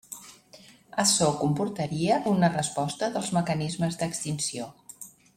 Açò comportaria una resposta dels mecanismes d'extinció.